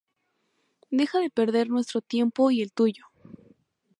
Deja de perder nuestro tiempo y el tuyo".